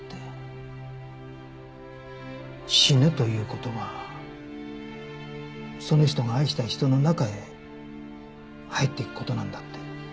死ぬという事はその人が愛した人の中へ入っていく事なんだって。